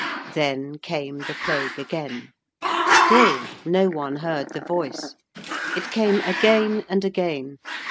Then came the Plague again. Still no one heard the voice. It came again and again.